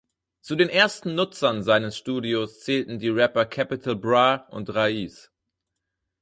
Zu den ersten Nutzern seines Studios zählten die Rapper Capital Bra und Ra’is.